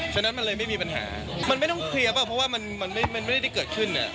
ฉะนั้นมันเลยไม่มีปัญหามันไม่ต้องเคลียร์เปล่าเพราะว่ามันไม่ได้เกิดขึ้นเนี่ย